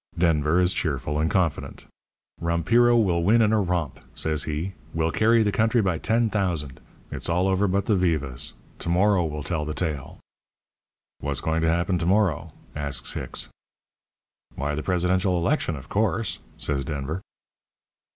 Denver is cheerful and confident. 'Rompiro will win in a romp,' says he. 'We'll carry the country by 10,000. It's all over but the vivas. To morrow will tell the tale.' "'What's going to happen to morrow?' asks Hicks. "'Why, the presidential election, of course,' says Denver.